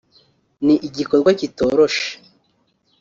ni igikorwa kitoroshe